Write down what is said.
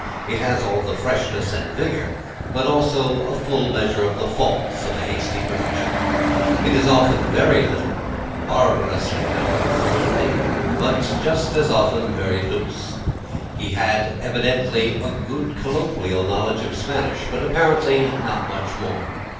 It has all the freshness and vigour, but also a full measure of the faults, of a hasty production. It is often very literal barbarously literal frequently but just as often very loose. He had evidently a good colloquial knowledge of Spanish, but apparently not much more.